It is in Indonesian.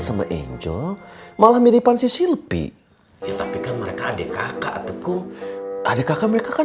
sama angel malah miripan si silpi tetapi mereka adik kakak adek kakak mereka kan